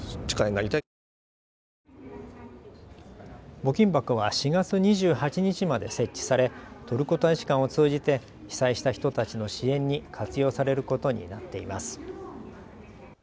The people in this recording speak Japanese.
募金箱は４月２８日まで設置されトルコ大使館を通じて被災した人たちの支援に活用されることになっています。